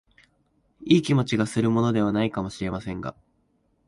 いい気持ちがするものでは無いかも知れませんが、